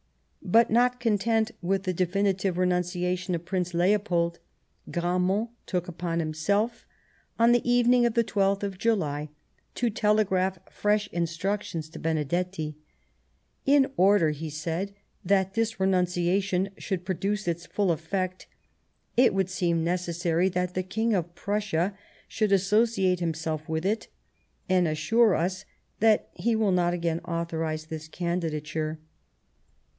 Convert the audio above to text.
But, not content with the definitive renunciation of Prince Leopold, Gramont took upon himself, on the evening of the 12th of July, to telegraph fresh instructions to Benedetti :" In order," he said, " that this renunciation should produce its full effect, it would seem necessary that the King of Prussia should associate himself with it, and assure us that he will not again authorize this candidature."